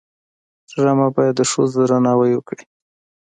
ډرامه باید د ښځو درناوی وکړي